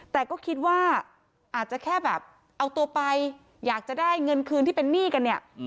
แต่ก็คิดว่าอาจจะแค่แบบเอาตัวไปอยากจะได้เงินคืนที่เป็นหนี้กันเนี่ย